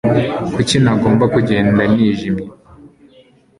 kuki nagomba kugenda nijimye